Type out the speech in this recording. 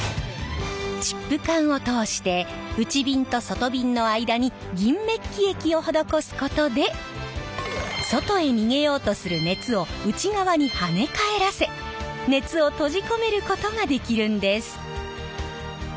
チップ管を通して内びんと外びんの間に銀メッキ液を施すことで外へ逃げようとする熱を内側に跳ね返らせ熱を閉じ込めることができるんです！